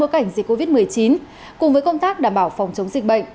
cảnh dịch covid một mươi chín cùng với công tác đảm bảo phòng chống dịch bệnh